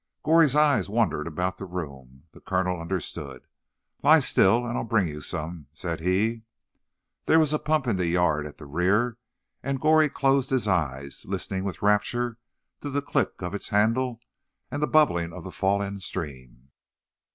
Goree's eyes wandered about the room. The colonel understood. "Lie still, and I'll bring you some," said he. There was a pump in the yard at the rear, and Goree closed his eyes, listening with rapture to the click of its handle, and the bubbling of the falling stream.